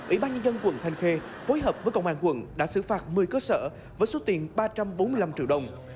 ủy ban nhân dân quận thanh khê phối hợp với công an quận đã xử phạt một mươi cơ sở với số tiền ba trăm bốn mươi năm triệu đồng